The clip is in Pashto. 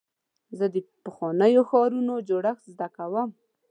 زه د پخوانیو ښارونو جوړښت زده کوم.